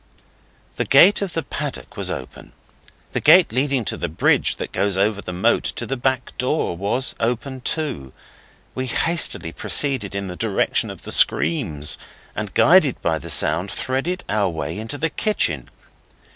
The gate of the paddock was open. The gate leading to the bridge that goes over the moat to the back door was open too. We hastily proceeded in the direction of the screams, and, guided by the sound, threaded our way into the kitchen.